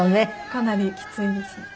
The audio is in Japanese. かなりきついですね。